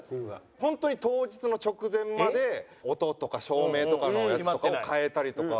本当に当日の直前まで音とか照明とかのやつとかを変えたりとか。